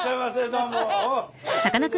どうも！